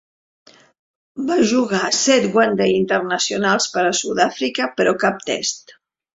Va jugar set One Day Internationals per a Sud-àfrica, però cap Test.